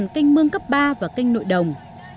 một trăm bốn mươi một kênh mương cấp ba và kênh nội đồng